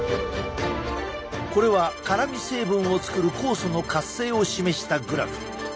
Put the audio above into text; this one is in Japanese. これは辛み成分を作る酵素の活性を示したグラフ。